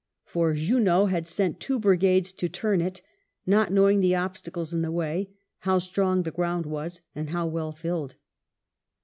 For Junot had sent two brigades to turn it, not knowing the obstacles in the way, how strong the ground was and how well filled.